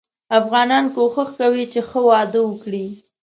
افغانان کوښښ کوي چې ښه واده وګړي.